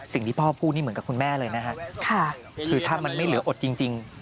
สิ่งที่พ่อพูดนี่เหมือนกับคุณแม่เลยนะฮะคือถ้ามันไม่เหลืออดจริง